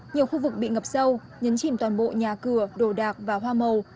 nhiều khu vực bị ngập sâu nhấn chìm toàn bộ nhà cửa đồ đạc và hoa màu